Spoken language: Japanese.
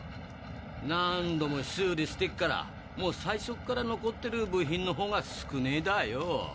何度も修理してっからもう最初っから残ってる部品のほうが少ねえだあよ。